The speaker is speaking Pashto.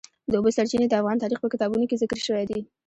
د اوبو سرچینې د افغان تاریخ په کتابونو کې ذکر شوی دي.